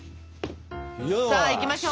さあいきましょう。